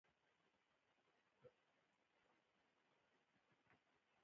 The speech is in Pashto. بڼ وال په ګڼه ګوڼه کي خپلې مڼې او هندواڼې را کړې